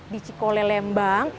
di cikole lembang